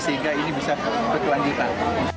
sehingga ini bisa berkelanjutan